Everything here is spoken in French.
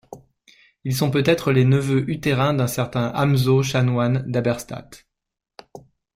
Ils sont peut-être les neveux utérin d'un certain Hamzo chanoine d'Halberstadt.